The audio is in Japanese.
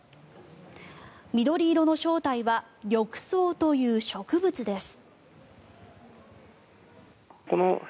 緑色の正体は緑藻という植物です。